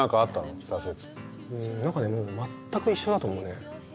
何かねもう全く一緒だと思うね。